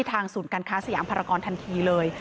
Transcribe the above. ศูนย์การค้าสยามภารกรทันทีเลย